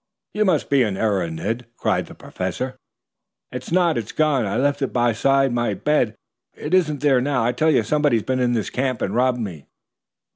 "But you must be in error, Ned," cried the Professor. "I'm not. It's gone. I left it beside my bed. It isn't there now. I tell you somebody's been in this camp and robbed me!"